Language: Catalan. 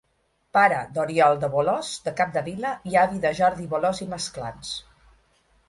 Pare d'Oriol de Bolòs i Capdevila i avi de Jordi Bolòs i Masclans.